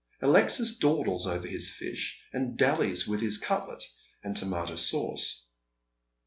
Alexis dawdles over his fish, and dalUes with his cutlet and tomato sauce.